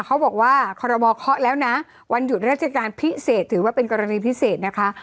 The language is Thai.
เขาบอกว่าคอรมอเคาะแล้วนะวันหยุดราชการพิเศษถือว่าเป็นกรณีพิเศษนะคะ